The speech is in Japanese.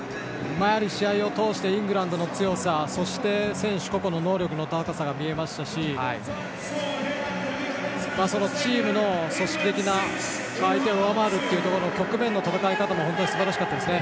試合を通してイングランドの強さそして選手個々の能力の高さが見えましたしチームの組織的な相手を上回る局面の戦い方もすばらしかったです。